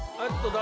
誰？